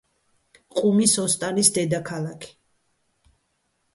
ყუმის ოსტანის დედაქალაქი.